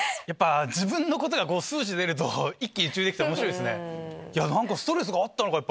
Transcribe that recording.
自分のことが数値で出ると一喜一憂できて面白いですね。